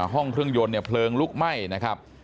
ห้องเครื่องยนต์เนี่ยเพลิงลุกไหม้นะครับ